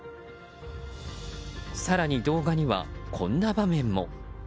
更に、動画にはこんな場面も。